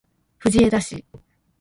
藤枝市